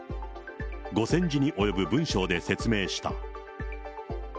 ５０００字に及ぶ文章で説明した。